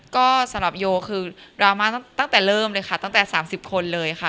ก็สำหรับโยคือดราม่าตั้งแต่เริ่มเลยค่ะตั้งแต่๓๐คนเลยค่ะ